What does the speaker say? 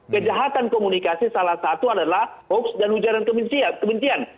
kejahatan komunikasi salah satu adalah hoax dan ujaran kebencian